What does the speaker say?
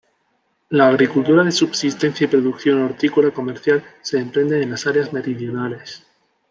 La agricultura de subsistencia y producción hortícola comercial se emprende en las áreas meridionales.